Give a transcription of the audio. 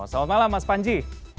selamat malam mas panji